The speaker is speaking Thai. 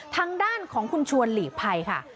ทางด้านของคุณชวนหลีกภัยค่ะ